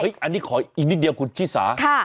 เฮ้ยอันนี้ขออีกนิดเดียวคุณชิสาค่ะ